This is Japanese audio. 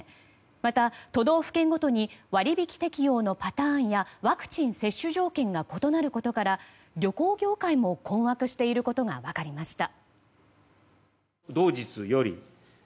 また、都道府県ごとに割引適用のパターンやワクチン接種条件が異なることから旅行業界も困惑していることが分かりました。